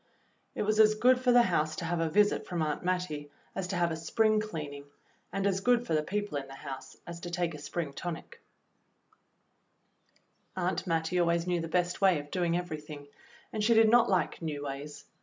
It was as good for the house to have a visit from Aunt Mattie as to have a spring cleaning, and as good for the people in the house as to take a spring tonic 32 THE BLUE AUNT Aunt Mattie always knew the best way of doing everything, and she did not hke new ways.